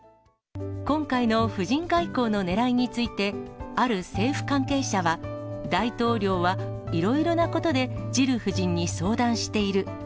今回の夫人外交のねらいについて、ある政府関係者は、大統領はいろいろなことでジル夫人に相談している。